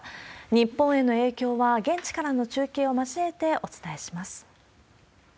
日本への影響は現地からの中継を交えてお伝えします。